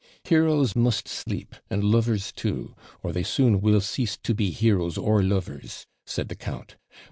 'Heroes must sleep, and lovers too; or they soon will cease to be heroes or lovers!' said the count.